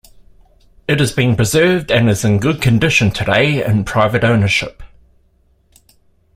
It has been preserved and is in good condition today in private ownership.